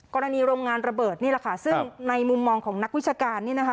กรณีโรงงานระเบิดนี่แหละค่ะซึ่งในมุมมองของนักวิชาการนี่นะคะ